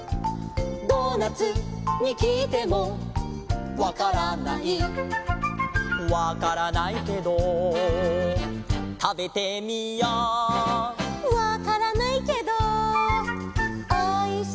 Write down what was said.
「ドーナツにきいてもわからない」「わからないけどたべてみよう」「わからないけどおいしいね」